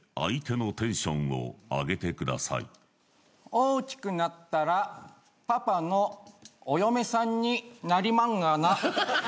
大きくなったらパパのおよめさんになりまんがな。